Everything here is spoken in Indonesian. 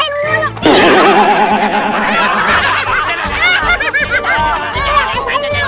nih rasain dulu lo